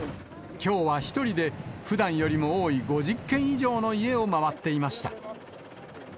きょうは１人でふだんよりも多い５０軒以上の家を回っていました。